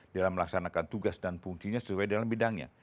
dalam melaksanakan tugas dan fungsinya sesuai dalam bidangnya